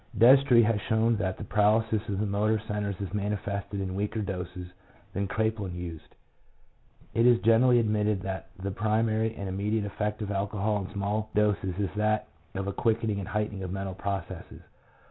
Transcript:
Destree has shown that the paralysis of the motor centres is manifested in weaker doses than Kraepelin used. It is generally admitted that the primary and immediate effect of alcohol in small doses is that of a quickening and heightening of mental processes.